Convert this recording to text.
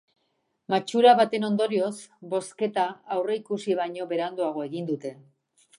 Matxura baten ondorioz, bozketa aurreikusi baino beranduago egin dute.